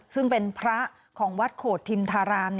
ซึ่งเป็นพระของวัดโขดทิมธาราม